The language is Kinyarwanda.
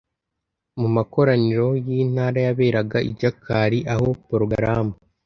mu makoraniro y intara yaberaga i jakarta aho porogaramu